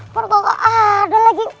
kok gak ada lagi